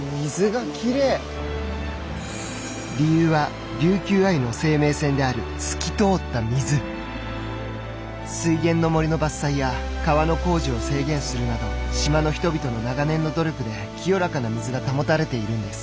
理由はリュウキュウアユの生命線である水源の森の伐採や川の工事を制限するなど島の人々の長年の努力で清らかな水が保たれているんです。